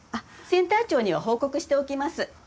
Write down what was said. センター長には報告しておきます。